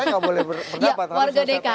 saya nggak boleh berdapat